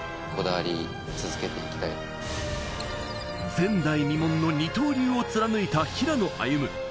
前代未聞の二刀流を貫いた平野歩夢。